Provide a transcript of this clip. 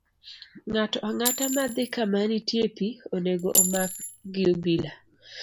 Ng'ato ang'ata madhi kama nitie pi, onego omak gi obila.